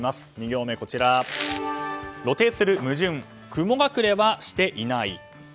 ２行目、露呈する矛盾雲隠れはしていない。